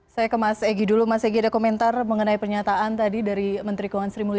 saya ke mas egy dulu mas egy ada komentar mengenai pernyataan tadi dari menteri keuangan sri mulyani